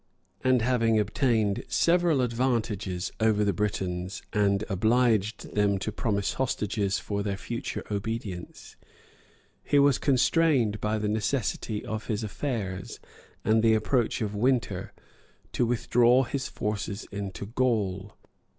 55;] and having obtained several advantages over the Britons, and obliged them to promise hostages for their future obedience, he was constrained, by the necessity of his affairs, and the approach of winter, to withdraw his forces into Gaul.